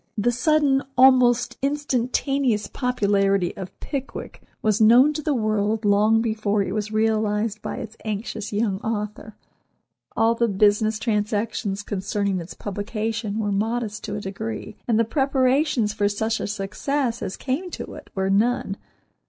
The sudden, almost instantaneous, popularity of "Pickwick" was known to the world long before it was realized by its anxious young author. All the business transactions concerning its publication were modest to a degree, and the preparations for such a success as came to it were none.